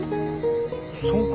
そうか？